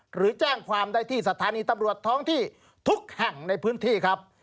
หรือแจ้งความได้ที่สถานีตำรวจท้องที่ทุกแห่งในพื้นที่ครับ